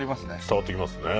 伝わってきますね。